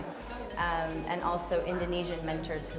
dan juga mentor indonesia yang juga bergabung